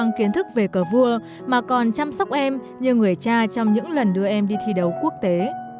không chỉ có kiến thức về cờ vua mà còn chăm sóc em như người cha trong những lần đưa em đi thi đấu quốc tế